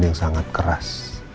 yang sangat keras